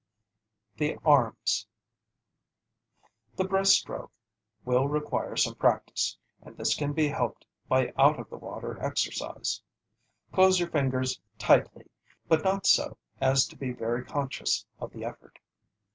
THE ARMS The breast stroke will require some practice, and this can be helped by out of the water exercise. Close your fingers tightly, but not so as to be very conscious of the effort.